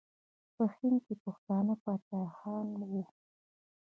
په هند کې پښتانه پاچاهان وو.